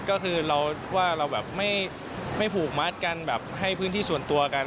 ก็คือเราว่าเราแบบไม่ผูกมัดกันแบบให้พื้นที่ส่วนตัวกัน